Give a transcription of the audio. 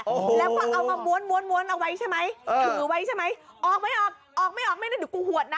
โอ้โหแล้วก็เอามาม้วนม้วนม้วนเอาไว้ใช่ไหมถือไว้ใช่ไหมออกไม่ออกออกไม่ออกไม่ได้เดี๋ยวกูหวดนะ